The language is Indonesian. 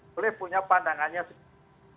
boleh punya pandangannya seperti itu